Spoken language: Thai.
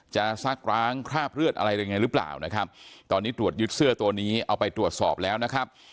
ซักร้างคราบเลือดอะไรยังไงหรือเปล่านะครับตอนนี้ตรวจยึดเสื้อตัวนี้เอาไปตรวจสอบแล้วนะครับ